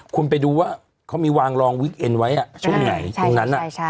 คุณไปดูว่าเขามีวางรองวิกเอ็นไว้ช่วงไหนตรงนั้น